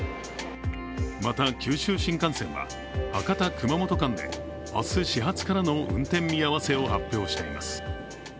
また、九州新幹線は博多−熊本間で明日始発からの運転見合わせを発表しています。